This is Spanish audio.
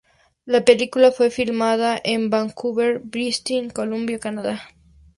La película fue filmada en Vancouver, British Columbia, Canadá.